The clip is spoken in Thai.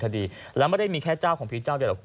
คดีแล้วไม่ได้มีแค่เจ้าของพีชเจ้าเดียวหรอกคุณ